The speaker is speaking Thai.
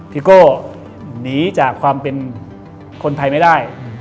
โก้หนีจากความเป็นคนไทยไม่ได้